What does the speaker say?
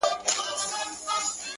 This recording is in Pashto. د يوسفي ښکلا چيرمنې نوره مه راگوره!